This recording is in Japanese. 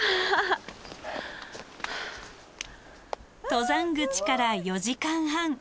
登山口から４時間半。